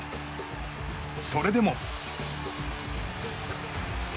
それでも。